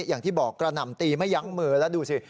อย่างที่บอกกระหน่ำตีไม่ยั้งมือแล้วดูสิ